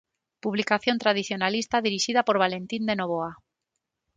Publicación tradicionalista dirixida por Valentín de Nóvoa.